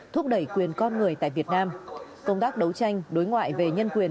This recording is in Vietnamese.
thúc đẩy quyền con người tại việt nam công tác đấu tranh đối ngoại về nhân quyền